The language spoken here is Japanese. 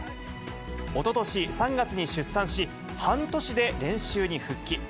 おととし３月に出産し、半年で練習に復帰。